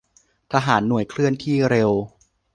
ทหารหน่วยเคลื่อนที่เร็ว